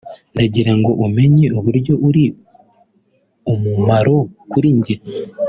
ndagira ngo umenye uburyo uri uw'umumaro kuri njye